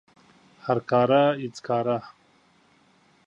هر کاره هیڅ کاره